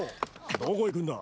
どこ行くんだ？